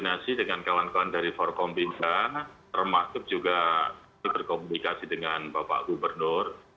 koordinasi dengan kawan kawan dari forkombina termasuk juga berkomunikasi dengan bapak gubernur